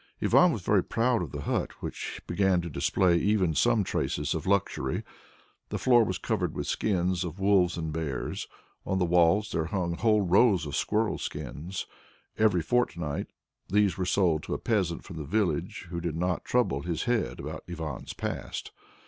Ivan was very proud of the hut which began to display even some traces of luxury. The floor was covered with skins of wolves and bears; on the walls there hung whole rows of squirrel skins. Every fortnight these were sold to a peasant from the village who did not trouble his head about Ivan's past.